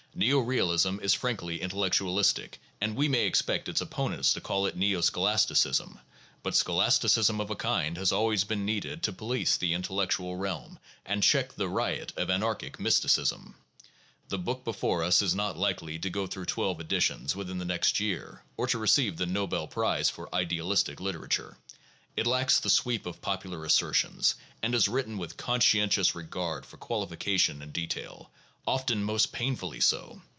Neo realism is frankly intellectualistic and we may expect its op ponents to call it neo scholasticism, but scholasticism of a kind has always been needed to police the intellectual realm and check the riot of anarchic mysticism. The book before us is not likely to go through twelve editions within the next year or to receive the Nobel prize for "idealistic" literature. It lacks the sweep of popular assertions, and is written with conscientious regard for qualification and detail — often most painfully so.